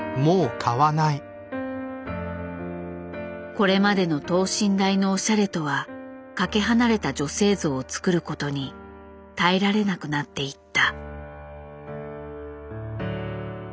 これまでの等身大のおしゃれとはかけ離れた女性像をつくることに耐えられなくなっていった。